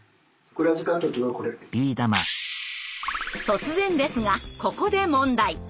突然ですがここで問題。